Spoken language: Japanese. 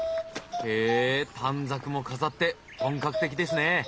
へえ短冊も飾って本格的ですね。